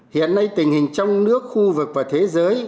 hiện nay tình hình trong nước khu vực và thế giới